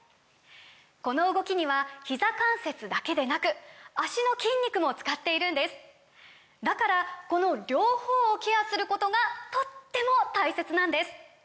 この動きにはひざ関節だけでなく脚の筋肉も使っているんですだからこの両方をケアすることがとっても大切なんです！